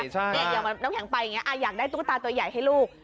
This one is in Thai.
อย่างน้ำแข็งไปอย่างนี้อยากได้ตุ๊กตาตัวใหญ่ให้ลูก